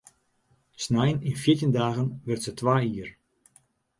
Snein yn fjirtjin dagen wurdt se twa jier.